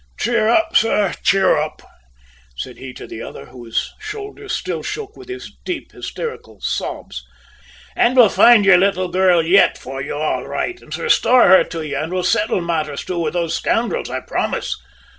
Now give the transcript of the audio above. "Cheer up, sir, cheer up," said he to the other, whose shoulders still shook with his deep hysterical sobs. "And we'll find your little girl yet for you all right, and restore her to you, and we'll settle matters too, with those scoundrels, I promise.